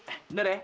eh bener ya